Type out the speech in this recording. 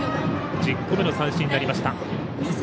１０個目の三振になりました。